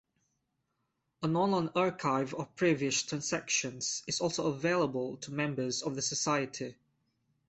An online archive of previous Transactions is also available to members of the Society.